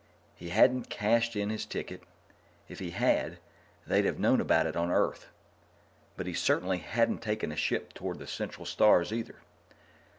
He hadn't cashed in his ticket; if he had, they'd have known about it on Earth. But he certainly hadn't taken a ship toward the Central Stars, either.